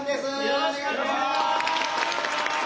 よろしくお願いします。